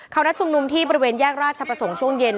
เขานัดชุมนุมที่บริเวณแยกราชประสงค์ช่วงเย็น